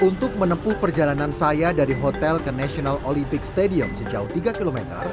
untuk menempuh perjalanan saya dari hotel ke national olympic stadium sejauh tiga km